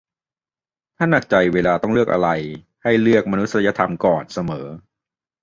"ถ้าหนักใจเวลาต้องเลือกอะไร ให้เลือกมนุษยธรรมก่อนเสมอ"